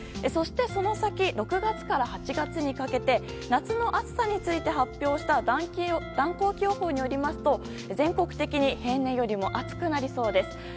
そしてその先６月から８月にかけて夏の暑さについて発表した暖候期予報によりますと全国的に平年よりも暑くなりそうです。